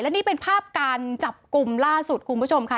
นี่เป็นภาพการจับกลุ่มล่าสุดคุณผู้ชมค่ะ